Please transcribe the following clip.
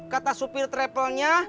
kata supir travelnya